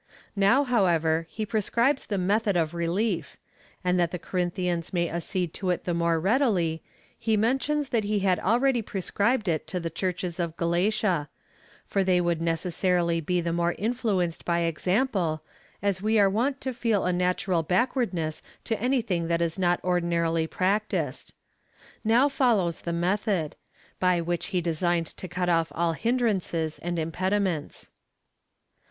Now, however, he prescribes the method of relief; and that the Corinthians may accede to it the more readily, he mentions that he had already prescribed it to the Churches of Galatia ; for they would necessarily be the more influenced by example, as we are wont to feel a natural backwardness to anything that is not ordinarily practised. Now follows the method — by which he designed to cut off all hinderances and impediments.